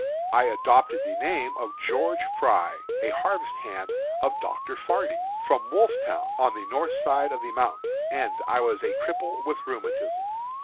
I adopted the name of George Fry, a harvest hand of Dr. Farney, from Wolfetown, on the north side of the mountain, and I was a cripple from rheumatism.